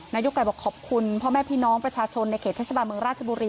นายกไก่บอกขอบคุณพ่อแม่พี่น้องประชาชนในเขตเทศบาลเมืองราชบุรี